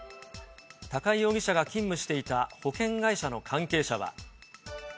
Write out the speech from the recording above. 高井容疑者が勤務していた保険会社の関係者は。